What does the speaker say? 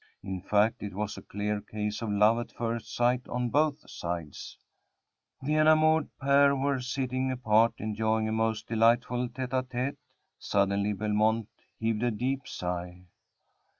In fact, it was a clear case of love at first sight on both sides. The enamoured pair were sitting apart, enjoying a most delightful tête √Ý tête. Suddenly Belmont heaved a deep sigh.